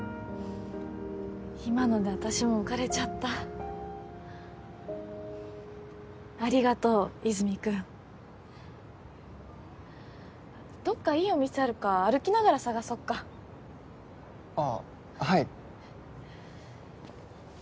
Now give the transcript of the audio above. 今ので私も浮かれちゃったありがとう和泉君どっかいいお店あるか歩きながら探そっかああ